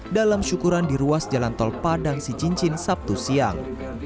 dalam syukuran di ruas jalan tol padang sicincin sabtu siang